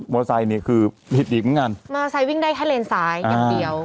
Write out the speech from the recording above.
มอเตอร์ไซค์เนี้ยคือหิดหิดกันกันมอเตอร์ไซค์วิ่งได้แค่เลนสายอย่างเดียว